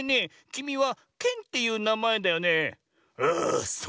おれはケンっていうなまえだ」。